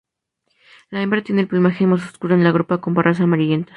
La hembra tiene el plumaje más oscuro en la grupa, con barras amarillentas.